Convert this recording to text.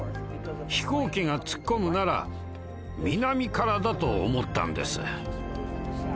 飛行機が突っ込むなら南からだと思ったんです。